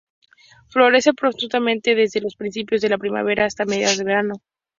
Florece profusamente desde principios de la primavera hasta mediados de verano.